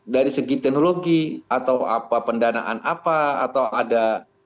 dari segi teknologi atau apa pendanaan apa atau ada